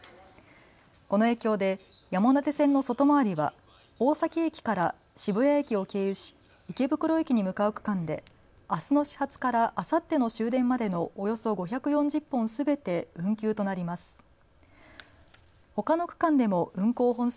この影響で山手線の外回りは大崎駅から渋谷駅を経由し池袋駅に向かう区間であすの始発からあさっての終電までのおよそ５４０本すべて運休となります。